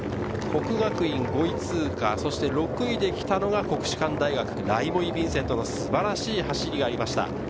國學院５位通過、６位で来たが国士舘大学、ライモイ・ヴィンセントの素晴らしい走りがありました。